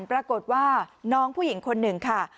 ปรากฏว่าน้องผู้หญิงคนหนึ่งค่ะ